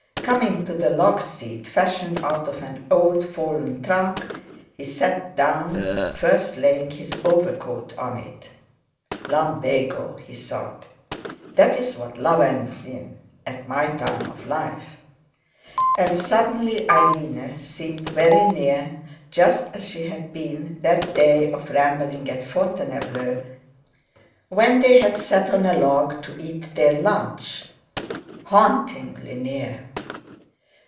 Coming to the log seat fashioned out of an old fallen trunk, he sat down, first laying his overcoat on it. "Lumbago!" he thought; "that's what love ends in at my time of life!" And suddenly Irene seemed very near, just as she had been that day of rambling at Fontainebleau when they had sat on a log to eat their lunch. Hauntingly near!